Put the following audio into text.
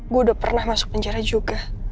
gue udah pernah masuk penjara juga